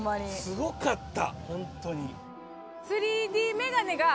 すごかった！